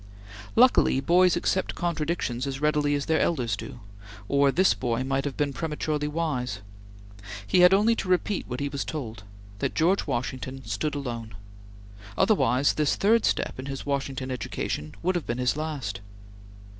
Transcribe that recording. Luckily boys accept contradictions as readily as their elders do, or this boy might have become prematurely wise. He had only to repeat what he was told that George Washington stood alone. Otherwise this third step in his Washington education would have been his last.